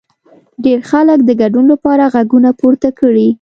ډېر خلک د ګډون لپاره غږونه پورته کړي.